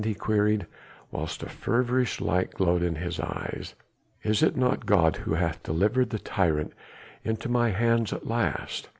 he queried whilst a feverish light glowed in his eyes. "Is it not God who hath delivered the tyrant into my hands at last?